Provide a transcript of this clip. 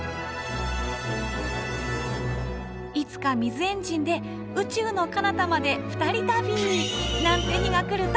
いつか水エンジンで宇宙のかなたまで２人旅なんて日が来るといいですね。